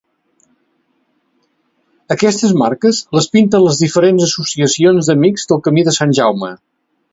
Aquestes marques les pinten les diferents associacions d'amics del Camí de Sant Jaume.